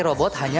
terima kasih nia